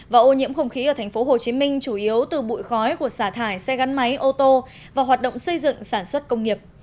và ô nhiễm không khí ở tp hcm chủ yếu từ bụi khói của xả thải xe gắn máy ô tô và hoạt động xây dựng sản xuất công nghiệp